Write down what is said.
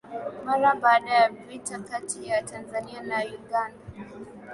mara baada ya vita kati ya Tanzania na Uganda